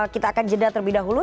kita akan jeda terlebih dahulu